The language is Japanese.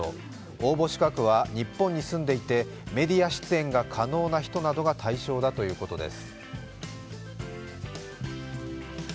応募資格は日本に住んでいてメディア出演が可能な人などが対象だということです。